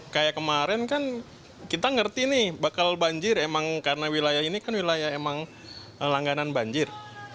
kayak kemarin kan kita ngerti nih bakal banjir emang karena wilayah ini kan wilayah emang langganan banjir